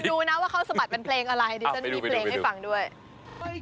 เดี๋ยวคุณรู้นะว่าเขาสะบัดเป็นเพลงอะไรดิฉันมีเพลงให้ฟังด้วยอ้าวไปดูไปดูไปดู